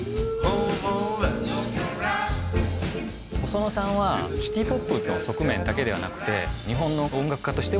細野さんはシティポップの側面だけではなくて。